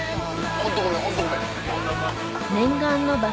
ホントごめんホントごめん。